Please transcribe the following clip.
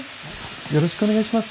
よろしくお願いします。